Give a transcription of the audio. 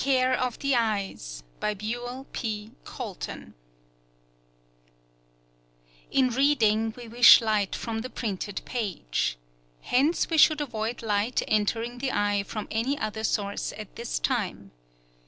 Wood, an eminent oculist of Chicago] In reading we wish light from the printed page. Hence we should avoid light entering the eye from any other source at this time.